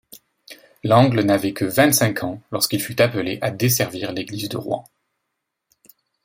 Langle n’avait que vingt-cinq ans lorsqu’il fut appelé à desservir l’église de Rouen.